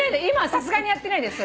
今はさすがにやってない。